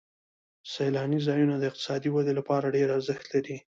سیلاني ځایونه د اقتصادي ودې لپاره ډېر ارزښت لري.